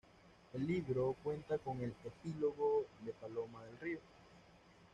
El libro cuenta con el epílogo de Paloma del Río.